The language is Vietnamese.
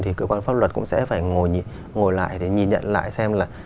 thì cơ quan pháp luật cũng sẽ phải ngồi lại để nhìn nhận lại xem là